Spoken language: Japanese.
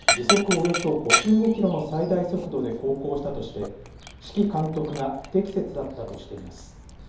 およそ５５キロの最大速度で航行したとして指揮監督が不適切だったとしています。